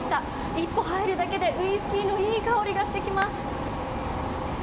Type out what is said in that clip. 一歩入るだけで、ウイスキーのいい香りがしてきます。